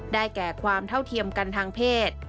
แก่ความเท่าเทียมกันทางเพศ